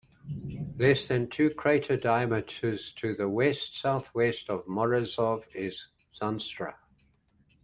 Less than two crater diameters to the west-southwest of Morozov is Zanstra.